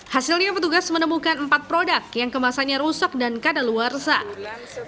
hasilnya petugas menemukan empat produk yang kemasannya rusak dan keadaan luar saha